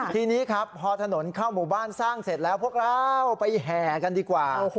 ทีนี้ครับพอถนนเข้าหมู่บ้านสร้างเสร็จแล้วพวกเราไปแห่กันดีกว่า